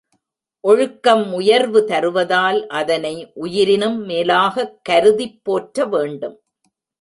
ஒழுக்கம் உயர்வு தருவதால் அதனை உயிரினும் மேலாகக் கருதிப் போற்ற வேண்டும்.